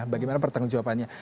bagaimana pertanggung jawabannya